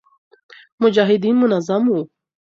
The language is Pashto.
مجاهدین منظم و